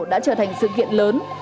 đã trở thành sự kiện lớn